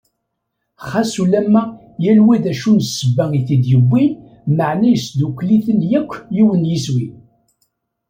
Xas ulamma, yal wa d acu n ssebba i t-id-yewwin, meɛna yesddukkel-iten yakk yiwen yiswi.